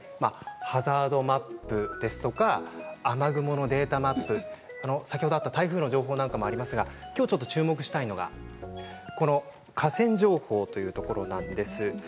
ハザードマップや雨雲データマップ先ほどあった台風の情報なんかもありますが今日、注目したいのが河川情報というところです。